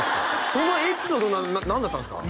そのエピソード何だったんですか？